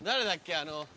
あの。